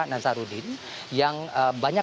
nazarudin yang banyak